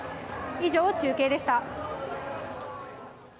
以上、中継でした。